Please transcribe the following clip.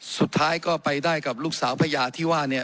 สุดท้ายก็ไปได้กับลูกสาวพญาที่ว่าเนี่ย